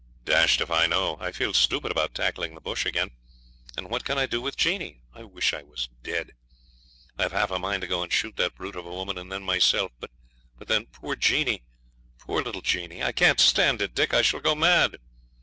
'Dashed if I know. I feel stupid about tackling the bush again; and what can I do with Jeanie? I wish I was dead. I've half a mind to go and shoot that brute of a woman and then myself. But then, poor Jeanie! poor little Jeanie! I can't stand it, Dick; I shall go mad!'